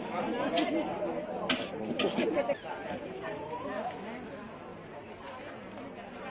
พอพอพอ